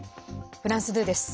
フランス２です。